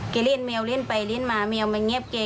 เล่นแมวเล่นไปเล่นมาแมวมาเงียบแก